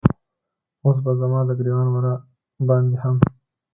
اوس به زما د ګریوان وره باندې هم